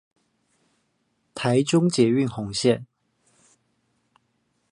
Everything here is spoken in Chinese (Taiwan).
臺中捷運紅線